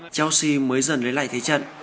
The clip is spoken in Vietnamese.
chelsea mới dần lấy lại thế trận